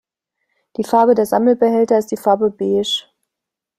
Die Farbe der Sammelbehälter ist die Farbe Beige.